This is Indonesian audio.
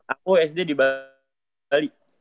aku sd di bali